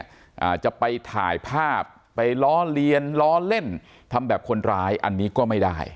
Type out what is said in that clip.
อ่าจะไปถ่ายภาพไปล้อเลียนล้อเล่นทำแบบคนร้ายอันนี้ก็ไม่ได้